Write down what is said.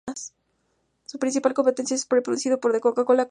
Su principal competencia es Sprite, producido por The Coca-Cola Company.